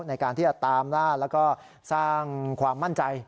ในการที่จะตามล่าแล้วก็สร้างความมั่นใจ